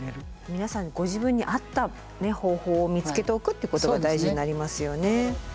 皆さんご自分に合った方法を見つけておくっていうことが大事になりますよね。